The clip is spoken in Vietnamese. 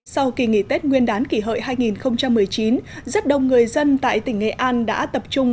sau kỳ nghỉ tết nguyên đán kỷ hợi hai nghìn một mươi chín rất đông người dân tại tỉnh nghệ an đã tập trung